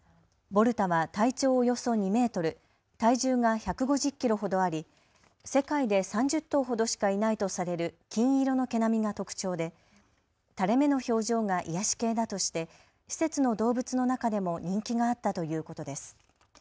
ボルタは体長およそ２メートル、体重が１５０キロほどあり世界で３０頭ほどしかいないとされる金色の毛並みが特徴で垂れ目の表情が癒やし系だとして施設の動物の中でも人気があったということです。